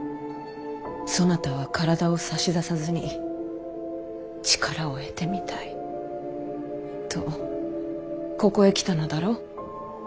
そなたは体を差し出さずに力を得てみたいとここへ来たのだろ？